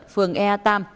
phường ea tam